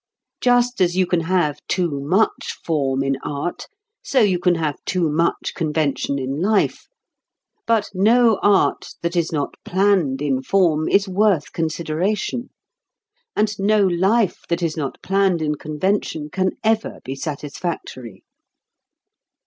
Just as you can have too much form in art, so you can have too much convention in life. But no art that is not planned in form is worth consideration, and no life that is not planned in convention can ever be satisfactory.